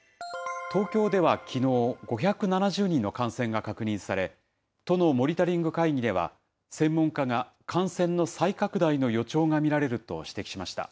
東京ではきのう、５７０人の感染が確認され、都のモニタリング会議では、専門家が感染の再拡大の予兆が見られると指摘しました。